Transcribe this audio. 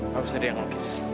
habis itu dia yang ngelukis